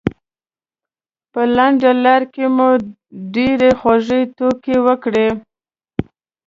په لنډه لاره کې مو ډېرې خوږې ټوکې وکړې.